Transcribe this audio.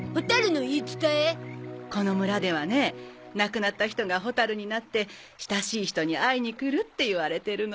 この村ではね亡くなった人がホタルになって親しい人に会いに来るっていわれてるの。